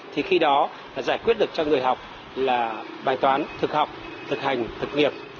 thì khi đó giải quyết được cho người học là bài toán thực học thực hành thực nghiệp